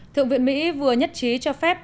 thượng viện mỹ vừa nhất trí cho phép